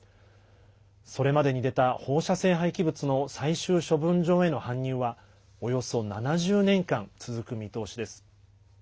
それまでに出た放射性廃棄物の最終処分場への搬入はおよそ７０年間続く見通しです。